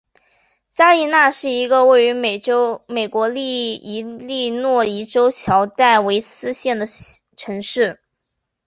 加利纳是一个位于美国伊利诺伊州乔戴维斯县的城市。